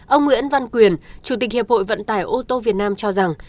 ông nguyễn văn quyền chủ tịch hiệp hội vận tải ô tô việt nam cho rằng